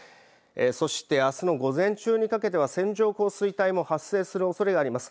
そしてあすの午前中にかけては線状降水帯も発生するおそれがあります。